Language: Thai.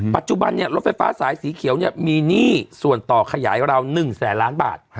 ปัจจุบันรถไฟฟ้าสายสีเขียวมีหนี้ส่วนต่อขยายราว๑แสนล้านบาท